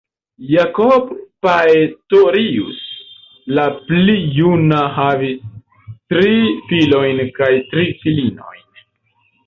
Jacob Praetorius la pli juna havis tri filojn kaj tri filinojn.